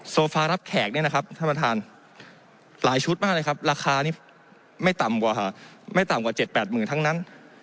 โซฟารับแขกเนี่ยนะครับท่านประธานหลายชุดมากเลยครับราคานี้ไม่ต่ำกว่าไม่ต่ำกว่า๗๘หมื่นทั้งนั้น